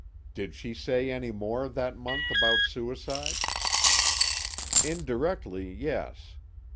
"Did she say any more, that month, about suicide?" "Indirectly, yes.